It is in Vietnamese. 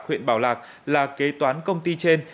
huyện bảo lạc là kế toán công ty trên